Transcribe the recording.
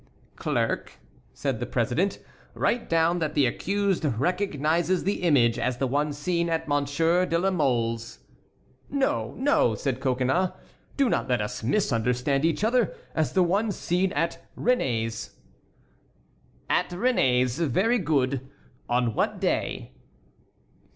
"Clerk," said the president, "write down that the accused recognizes the image as the one seen at Monsieur de la Mole's." "No, no!" said Coconnas, "do not let us misunderstand each other—as the one seen at Réné's." "At Réné's; very good! On what day?"